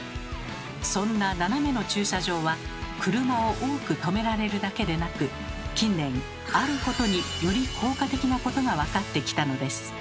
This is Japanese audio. そんな斜めの駐車場は車を多くとめられるだけでなく近年あることにより効果的なことがわかってきたのです。